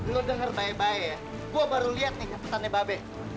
lala nggak boleh sedih